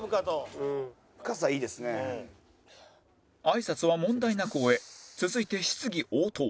あいさつは問題なく終え続いて質疑応答